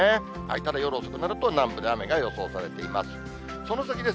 ただ夜遅くなると、南部で雨が予想されています。